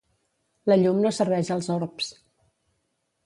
La llum no serveix als orbs.